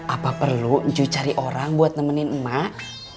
apa perlu cuy cari orang buat nemenin mak